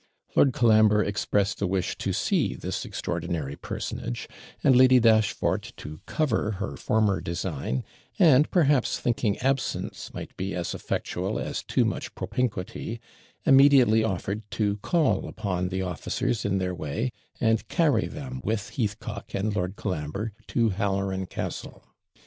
Lord Colambre expressed a wish to see this extraordinary personage; and Lady Dashfort, to cover her former design, and, perhaps, thinking absence might be as effectual as too much propinquity, immediately offered to call upon the officers in their way, and carry them with Heathcock and Lord Colambre to Halloran Castle.